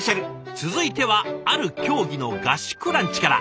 続いてはある競技の合宿ランチから。